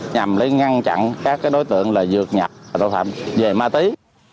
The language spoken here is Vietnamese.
nhằm ngăn chặn các đối tượng dược nhập tội phạm về ma túy